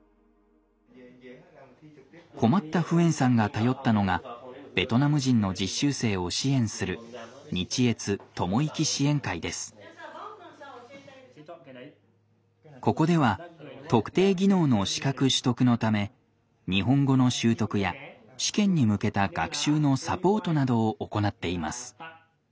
困ったフエンさんが頼ったのがベトナム人の実習生を支援するここでは特定技能の資格取得のため日本語の習得や試験に向けた学習のサポートなどを行っています。